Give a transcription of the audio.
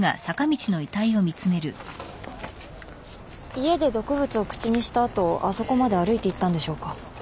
家で毒物を口にした後あそこまで歩いていったんでしょうか？